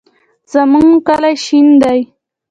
زمونږ کلی شین دی